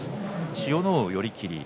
千代ノ皇、寄り切り。